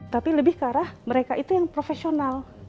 tapi lebih karena mereka itu yang profesional